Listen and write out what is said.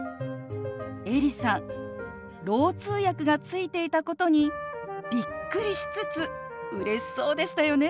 エリさんろう通訳がついていたことにびっくりしつつうれしそうでしたよね。